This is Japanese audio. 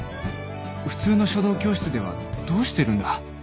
普通の書道教室ではどうしてるんだ？